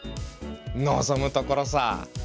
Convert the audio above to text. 望むところさ！